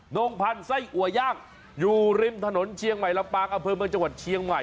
งพันธุ์ไส้อัวย่างอยู่ริมถนนเชียงใหม่ลำปางอำเภอเมืองจังหวัดเชียงใหม่